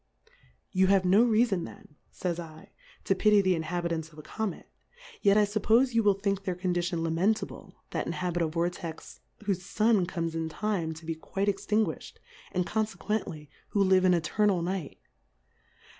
You have no reafon then, fays 7, to pity the Inhabitants of a Comet, yet I fuppofe you will think their Condition lamentable, that inhabit a Vortex whofe Sun comes in Time to be quite extin guilhed, and confequently who hve m Eternal Night.